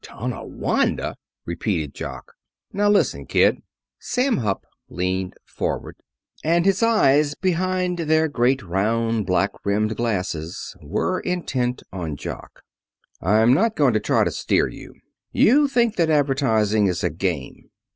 "Tonawanda!" repeated Jock. "Now listen, kid." Sam Hupp leaned forward, and his eyes behind their great round black rimmed glasses were intent on Jock. "I'm not going to try to steer you. You think that advertising is a game.